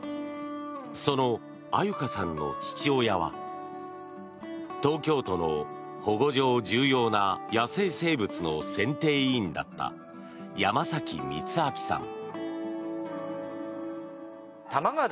その愛柚香さんの父親は東京都の保護上重要な野生生物の選定委員だった山崎充哲さん。